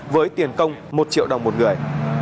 với tiền công một triệu đồng một người